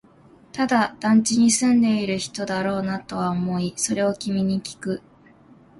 ただ、団地に住んでいる人だろうなとは思い、それを君にきく